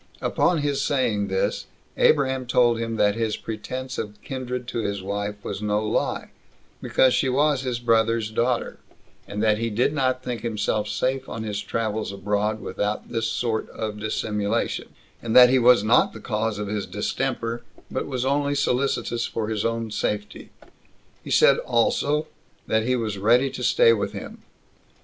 Upon his saying this, Abraham told him that his pretense of kindred to his wife was no lie, because she was his brother's daughter; and that he did not think himself safe in his travels abroad, without this sort of dissimulation; and that he was not the cause of his distemper, but was only solicitous for his own safety: he said also, that he was ready to stay with him.